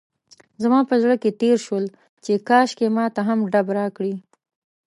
زما په زړه کې تېر شول چې کاشکې ماته هم ډب راکړي.